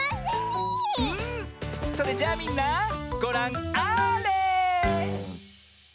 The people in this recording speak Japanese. それじゃあみんなごらんあれ！